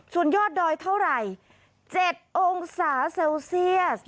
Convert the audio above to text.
ส่วนยอดดอยเท่าไหร่๗องศาเซลเซียส